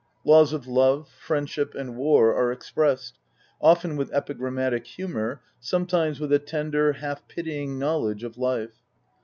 Laws of love, friendship, and war are expressed, often with epigrammatic humour, sometimes with a tender, half pitying knowledge of life.